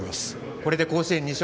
これで甲子園２勝。